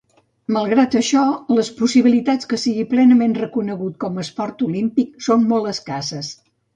Malgrat això, les possibilitats que sigui plenament reconegut com a esport olímpic són molt escasses.